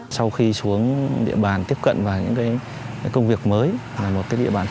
sau khi xuống địa bàn tiếp cận vào những công việc mới